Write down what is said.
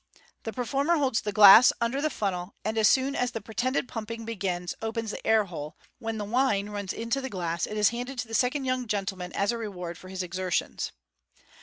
The performer holds the glass under the funnel, and as soon as the pretended pumping begins, opens the air hole, when the wine runs into the glass, and is handed to the second young gentleman as a reward for his exertions.